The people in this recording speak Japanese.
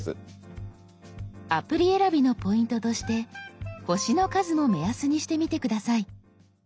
アプリ選びのポイントとして「星の数」も目安にしてみて下さい。